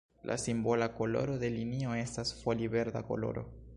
La simbola koloro de linio estas foli-verda koloro.